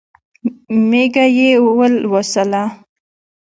مېږه یې ولوسله.